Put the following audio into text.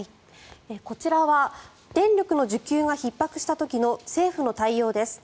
こちらは電力の需給がひっ迫した時の政府の対応です。